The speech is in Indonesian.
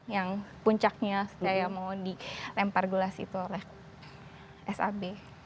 yang puncaknya saya mau dilempar gelas itu oleh sab